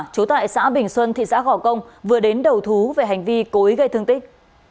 trú tại xã bình xuân thị xã gò công vừa đến đầu thú về hành vi cố ý gây thương tích